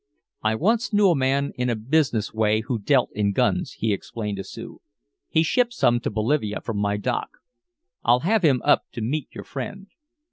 "I once knew a man in a business way who dealt in guns," he explained to Sue. "He shipped some to Bolivia from my dock. I'll have him up to meet your friend."